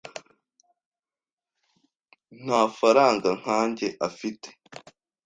Nta faranga nkanjye afite.